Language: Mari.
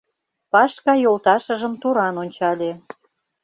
— Пашка йолташыжым туран ончале.